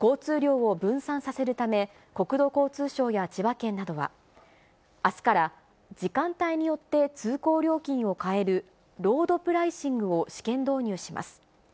交通量を分散させるため、国土交通省や千葉県などは、あすから、時間帯によって通行料金を変えるロードプライシングを試験導入します。